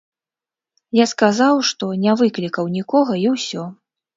Я сказаў, што не выклікаў нікога і ўсё.